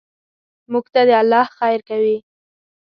موږ ته دې الله خیر کوي.